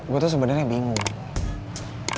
gue tuh sebenernya bingung